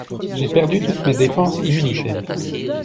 J'ai perdu toutes mes défenses immunitaires.